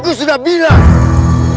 aku sudah bilang